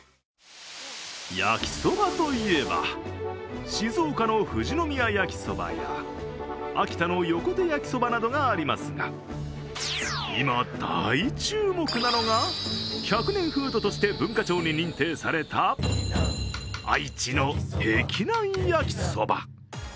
焼きそばといえば、静岡の富士宮焼きそばや秋田の横手焼きそばなどがありますが今、大注目なのが１００年フードとして文化庁に認定された愛知のへきなん焼きそば。